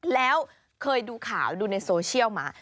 แล้วเคยดูข่าวดูในโซเชียลมา